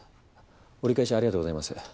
折り返しありがとうございます。